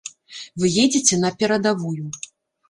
Вы едзеце на перадавую.